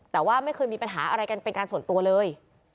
แต่ว่าไม่เคยมีปัญหาอะไรกันเป็นการส่วนตัวเลย